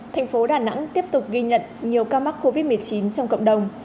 tp hcm tiếp tục ghi nhận nhiều ca mắc covid một mươi chín trong cộng đồng